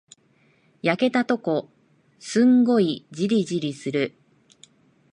焼けたとこ、すんごいじりじりする。